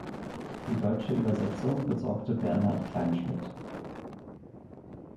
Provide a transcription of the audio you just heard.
Die deutsche Übersetzung besorgte Bernhard Kleinschmidt.